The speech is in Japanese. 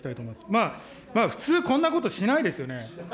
まあ普通、こんなことしないですよね。